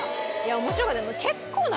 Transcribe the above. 面白かった。